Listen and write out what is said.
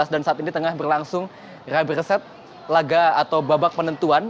dan saat ini tengah berlangsung represent laga atau babak penentuan